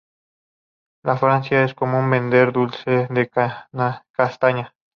En Francia es común vender un dulce de castaña.